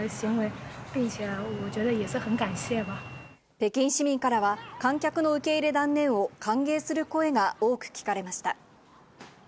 北京市民からは、観客の受け入れ断念を歓迎する声が多く聞かれました。